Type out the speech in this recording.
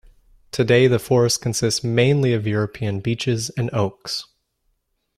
Today the forest consists mainly of European beeches and oaks.